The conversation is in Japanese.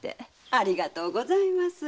ありがとうございます。